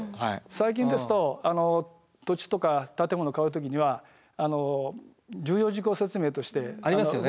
最近ですと土地とか建物買う時には重要事項説明として。ありますよね。